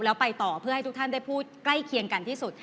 แล้วไปต่อเพื่อให้ทุกท่านได้พูดใกล้เคียงกันที่สุด